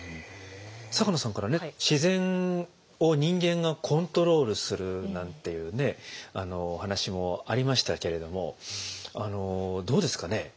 坂野さんからね自然を人間がコントロールするなんていうねお話もありましたけれどもどうですかね